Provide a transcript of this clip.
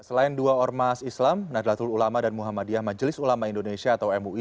selain dua ormas islam nahdlatul ulama dan muhammadiyah majelis ulama indonesia atau mui